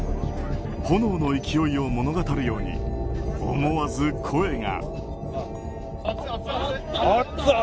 炎の勢いを物語るように思わず声が。